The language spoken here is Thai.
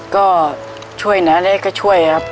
ก็ช่วยอะไรก็ช่วยครับ